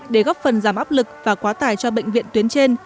để góp phần giảm áp lực và quá tải cho bệnh viện tuyến trên